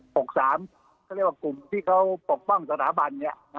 เขาเรียกว่ากลุ่มที่เขาปกป้องสถาบัน